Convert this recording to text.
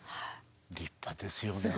立派ですよね。